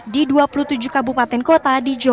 di dua puluh tujuh kabupaten kota di jepang